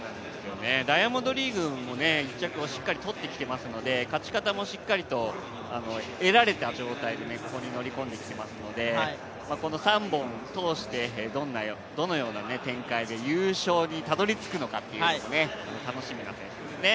ダイヤモンドリーグも１着をしっかりとってきてますので勝ち方もしっかり得られた状態でここに乗り込んできていますのでこの３本通してどのような展開、優勝にたどり着くのかということが楽しみな選手ですね。